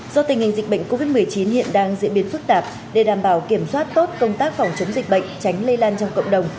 do tình hình dịch bệnh covid một mươi chín hiện đang diễn biến phức tạp để đảm bảo kiểm soát tốt công tác phòng chống dịch bệnh tránh lây lan trong cộng đồng